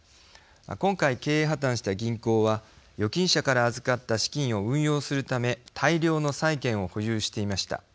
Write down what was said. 今回、経営破綻した銀行は預金者から預かった資金を運用するため大量の債券を保有していました。